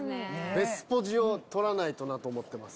ベスポジを取らないとなと思ってます。